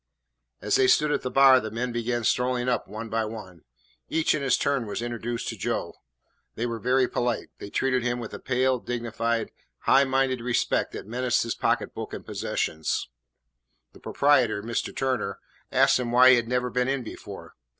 As they stood at the bar, the men began strolling up one by one. Each in his turn was introduced to Joe. They were very polite. They treated him with a pale, dignified, high minded respect that menaced his pocket book and possessions. The proprietor, Mr. Turner, asked him why he had never been in before.